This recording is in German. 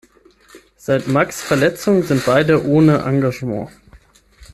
Seit Max’ Verletzung sind beide ohne Engagement.